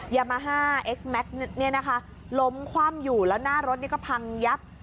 ยามาฮ่าเอ็กซ์แม็กซ์เนี่ยนะคะล้มคว่ำอยู่แล้วหน้ารถนี่ก็พังยับ